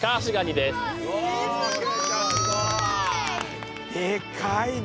でかいね！